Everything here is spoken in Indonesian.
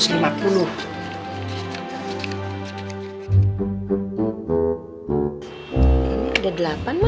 ini ada delapan ma